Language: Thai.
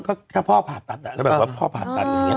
ก็ถ้าพ่อผ่าตัดแล้วแบบว่าพ่อผ่าตัดอย่างนี้